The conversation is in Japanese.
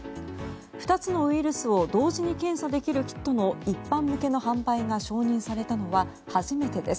２つのウイルスを同時に検査できるキットの一般向けの販売が承認されたのは初めてです。